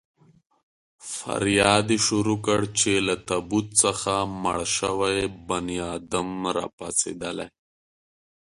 فریاد يې شروع کړ چې له تابوت څخه مړ شوی بنیادم را پاڅېدلی.